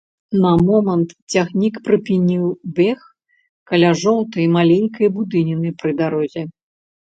На момант цягнік прыпыніў бег каля жоўтай, маленькай будыніны пры дарозе.